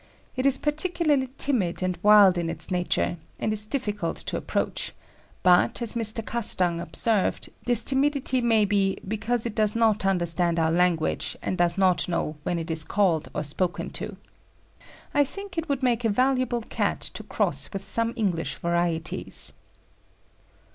It is particularly timid and wild in its nature, and is difficult to approach; but, as Mr. Castang observed, this timidity may be "because it does not understand our language and does not know when it is called or spoken to." I think it would make a valuable Cat to cross with some English varieties.